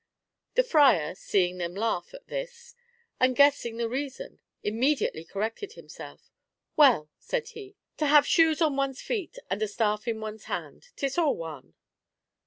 The friar, seeing them laugh at this, and guessing the reason, immediately corrected him self. "Well," said he, "to have shoes on one's feet and a staff in one's hand; 'tis all one."